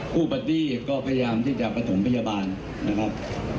ผู้ปฏิก็พยายามที่จะไปถุงพยาบาลนะครับ